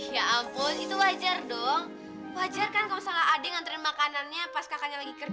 ya ampun itu wajar dong wajar kan kalau salah ada yang nganterin makanannya pas kakaknya lagi kerja